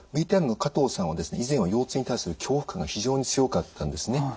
ＶＴＲの加藤さんは以前は腰痛に対する恐怖感が非常に強かったんですね。